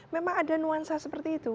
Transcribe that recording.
memang ada nuansa seperti itu